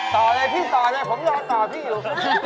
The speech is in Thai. ต่อเลยพี่ต่อเลยผมรอต่อพี่อยู่